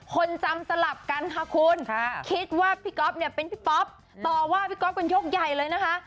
คนจำสลับกันค่ะคุณคิดว่าพี่ก๊อฟเนี่ยเป็นพี่ป๊อปต่อว่าพี่ก๊อฟกันยกใหญ่เลยนะคะ